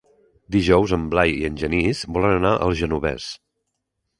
Dijous en Blai i en Genís volen anar al Genovés.